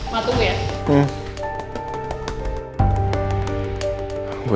mau tunggu ya